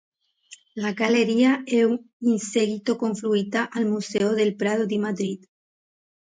La galleria è in seguito confluita al Museo del Prado di Madrid.